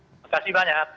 terima kasih banyak